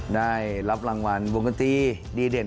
ได้รับรางวัลวงดนตรีดีเด่น